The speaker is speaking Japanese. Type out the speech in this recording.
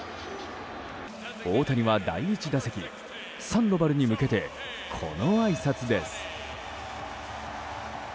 大谷は第１打席サンドバルに向けてこのあいさつです。